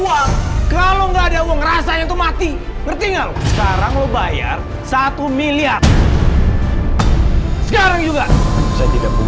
aku akan pergi dari sini sebelum kamu mengurungkan